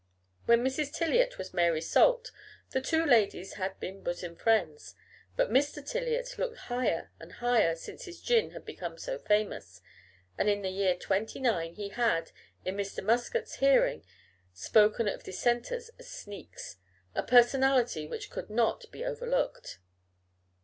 When Mrs. Tiliot was Mary Salt, the two ladies had been bosom friends; but Mr. Tiliot looked higher and higher since his gin had become so famous; and in the year '29 he had, in Mr. Muscat's hearing, spoken of Dissenters as sneaks a personality which could not be overlooked.